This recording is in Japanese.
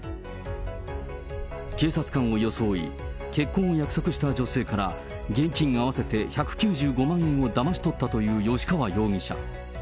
警察官を装い、結婚を約束した女性から、現金合わせて１９５万円をだまし取ったという吉川容疑者。